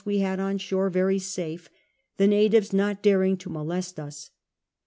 we had on shore very safe, the natives not daring to molest us.